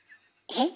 えっ？